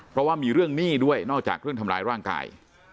เพราะว่ามีเรื่องหนี้ด้วยนอกจากเรื่องทำร้ายร่างกาย